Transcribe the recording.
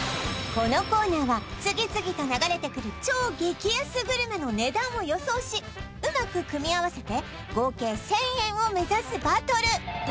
このコーナーは次々と流れてくる超激安グルメの値段を予想しうまく組み合わせて合計１０００円を目指すバトル